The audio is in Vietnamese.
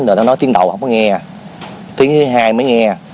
rồi nó nói tiếng đầu không có nghe tiếng thứ hai mới nghe